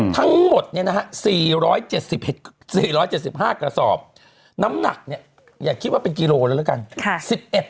ทั้งหมดเนี่ยนะฮะ๔๗๕กระสอบน้ำหนักเนี่ยอย่าคิดว่าเป็นกิโลแล้วแล้วกัน